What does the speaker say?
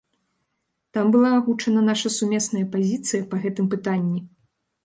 Там была агучана наша сумесная пазіцыя па гэтым пытанні.